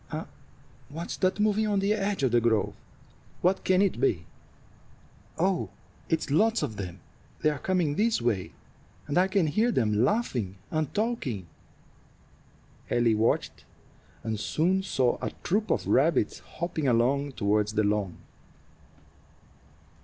What's that moving on the edge of the grove? What can it be? Oh, it's lots of them! They are coming this way, and I can hear them laughing and talking." Ellie watched, and soon saw a troop of rabbits hopping along toward the lawn.